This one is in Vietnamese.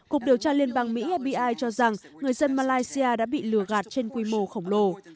cục điều tra liên bang mỹ fbi cho rằng người dân malaysia đã bị lừa gạt trên quy mô khổng lồ